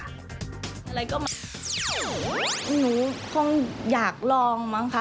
เราก็อยากออกมา